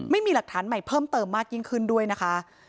ไม่มีหลักฐานใหม่เพิ่มเติมมากยิ่งขึ้นด้วยนะคะ